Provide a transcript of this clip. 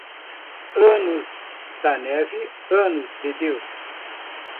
Ano da neve, anos de Deus.